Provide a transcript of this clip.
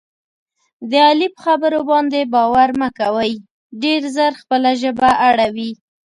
د علي په خبرو باندې باور مه کوئ. ډېر زر خپله ژبه اړوي.